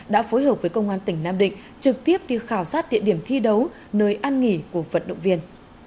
đã phối hợp với công an tỉnh nam định trực tiếp đi khảo sát địa điểm thi đấu nơi an nghỉ của vận động viên